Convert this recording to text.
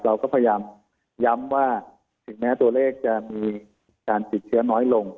เราก็พยายามย้ำว่าถึงแม้ตัวเลขจะมีการติดเชื้อน้อยลง